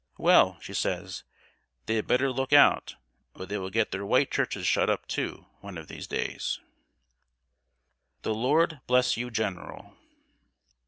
'Well,' she says, 'they had better look out, or they will get their white churches shut up, too, one of these days.'" [Sidenote: "THE LORD BLESS YOU, GENERAL!"